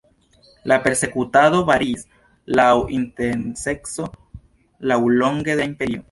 La persekutado variis laŭ intenseco laŭlonge de la imperio.